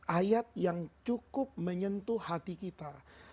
ayat yang cukup menyentuh hati kita